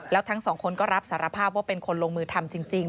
แล้วทั้งสองคนก็รับสารภาพว่าเป็นคนลงมือทำจริง